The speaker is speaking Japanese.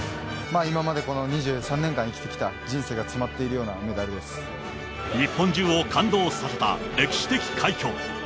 今までこの２３年間生きてきた人生が詰まっているようなメダ日本中を感動させた歴史的快挙。